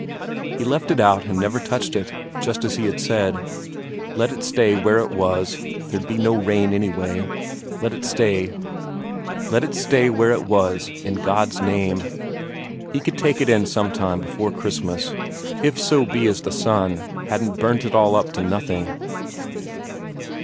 He left it out and never touched it, just as he had said. Let it stay where it was, there'd be no rain anyway; let it stay where it was in God's name! He could take it in some time before Christmas, if so be as the sun hadn't burnt it all up to nothing.